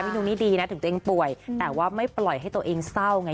ตรงนี้ดีนะถึงตัวเองป่วยแต่ว่าไม่ปล่อยให้ตัวเองเศร้าไง